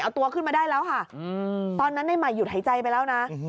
เอาตัวขึ้นมาได้แล้วค่ะตอนนั้นในใหม่หยุดหายใจไปแล้วนะ